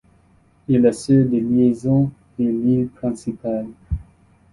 Il assure des liaisons vers l'île principale.